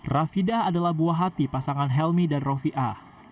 rafida adalah buah hati pasangan helmi dan rofi ah